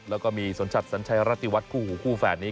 แล้วก็มีสนชัดสัญชัยรติวัตรคู่หูคู่แฝดนี้